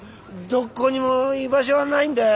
どこにも居場所がないんだよ。